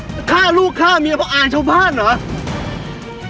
จะฆ่าลูกฆ่ามีวพระอายชาวภาคเหรอ